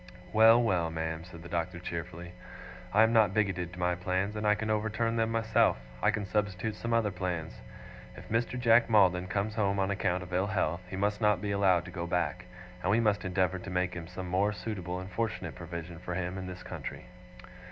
'Well, well, ma'am,' said the Doctor cheerfully, 'I am not bigoted to my plans, and I can overturn them myself. I can substitute some other plans. If Mr. Jack Maldon comes home on account of ill health, he must not be allowed to go back, and we must endeavour to make some more suitable and fortunate provision for him in this country.